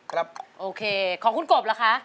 ครับโอเคของคุณกบเหรอคะ